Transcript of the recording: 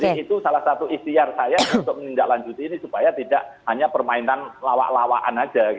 jadi itu salah satu istiar saya untuk menindaklanjuti ini supaya tidak hanya permainan lawak lawakan saja